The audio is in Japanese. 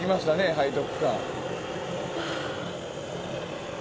背徳感。